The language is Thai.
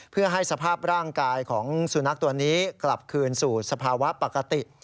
เพื่อให้สภาพร่างกายของสุนัขตัวนี้กลับคืนสู่สภาวะปกติ